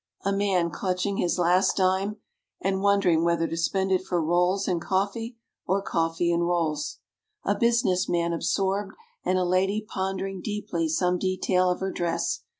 A man clutching his last dime and wondering whether to spend it for rolls and coffee or coffee and rolls. A business man absorbed and a lady pondering deeply some detail of her dress.